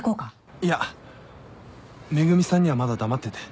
いや恵美さんにはまだ黙ってて。